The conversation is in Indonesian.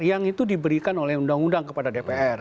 yang itu diberikan oleh undang undang kepada dpr